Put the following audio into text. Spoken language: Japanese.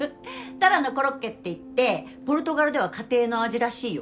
タラのコロッケっていってポルトガルでは家庭の味らしいよ